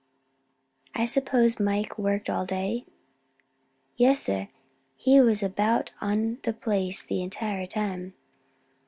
"I suppose Mike worked all day?" "Yes, sir, he was about on the place the entire time."